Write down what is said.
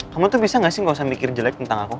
kamu tuh bisa gak sih gak usah mikir jelek tentang aku